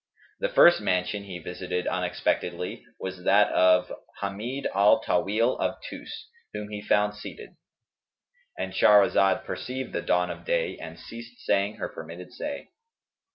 The first mansion he visited unexpectedly was that of Hamνd al Tawil of Tϊs, whom he found seated"—And Shahrazad perceived the dawn of day and ceased saying her permitted say.